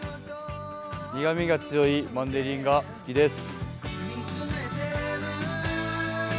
苦みが強いマンデリンが好きです。